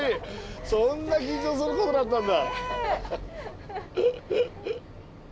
そんな緊張することだったんだ！